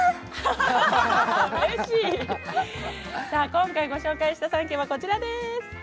今回ご紹介した３軒はこちらです。